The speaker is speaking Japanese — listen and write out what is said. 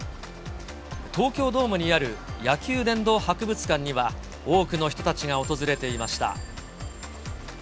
東京ドームにある野球殿堂博物館には、多くの人たちが訪れていました。